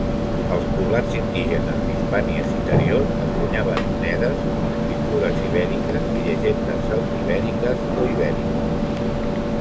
Els poblats indígenes d'Hispània Citerior encunyaven monedes amb escriptures ibèriques i llegendes celtibèriques o ibèriques.